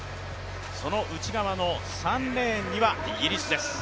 その内側の３レーンにはイギリスです。